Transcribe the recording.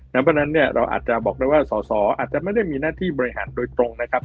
เพราะฉะนั้นเนี่ยเราอาจจะบอกได้ว่าสอสออาจจะไม่ได้มีหน้าที่บริหารโดยตรงนะครับ